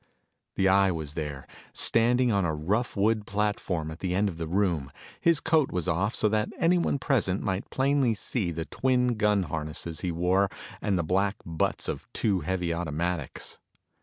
The Eye was there, standing on a rough wood platform at one end of the room. His coat was off so that anyone present might plainly see the twin gun harness he wore and the black butts of two heavy automatics.